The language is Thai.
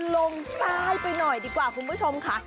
ลงใต้ไปหน่อยดีกว่าคุณผู้ชมค่ะ